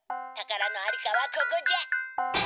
たからのありかはここじゃ！」。